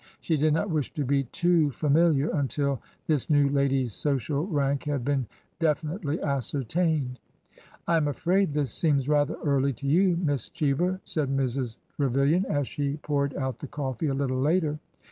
She did not wish to be too familiar until this new lady's social rank had been definitely ascertained. I am afraid this seems rather early to you, Miss Cheever," said Mrs. Trevilian as she poured out the coffee a little later.